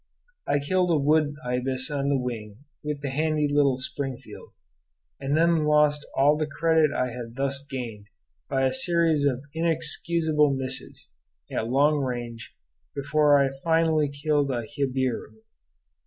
I killed a wood ibis on the wing with the handy little Springfield, and then lost all the credit I had thus gained by a series of inexcusable misses, at long range, before I finally killed a jabiru.